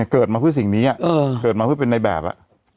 เกิดมาเพื่อสิ่งนี้เกิดมาเพื่อเป็นในแบบ